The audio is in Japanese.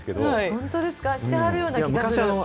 本当ですか、してはるような気がする。